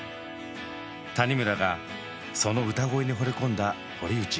谷村がその歌声にほれ込んだ堀内。